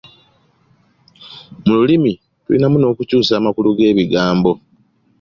Mu lulimi tulinamu n’okukyusa amakulu g’ebigambo.